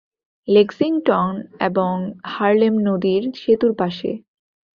Lexington এবং Harlem নদীর সেতুর পাশে।